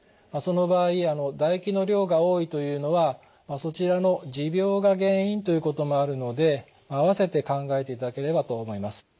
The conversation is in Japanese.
その場合唾液の量が多いというのはそちらの持病が原因ということもあるので併せて考えていただければと思います。